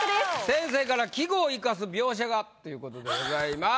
先生から「季語を生かす描写」ということでございます。